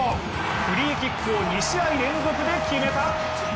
フリーキックを２試合連続で決めた！